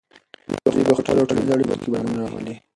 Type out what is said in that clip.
دوی په خپلو ټولنیزو اړیکو کې بدلون راولي.